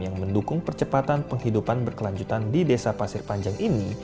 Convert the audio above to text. yang mendukung percepatan penghidupan berkelanjutan di desa pasir panjang ini